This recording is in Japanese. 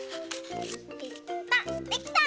ペッタンできた！